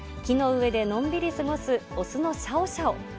木の上でのんびり過ごす雄のシャオシャオ。